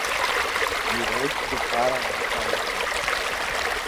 Mirante do Paranapanema